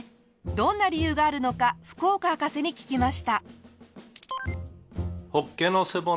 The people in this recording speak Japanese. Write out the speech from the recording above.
どんな理由があるのか福岡博士に聞きました。